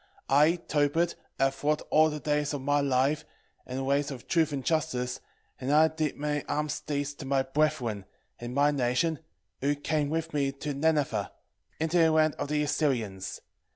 1:3 I Tobit have walked all the days of my life in the ways of truth and justice, and I did many almsdeeds to my brethren, and my nation, who came with me to Nineve, into the land of the Assyrians.